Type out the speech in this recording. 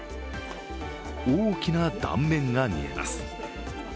大きな断面が見えます。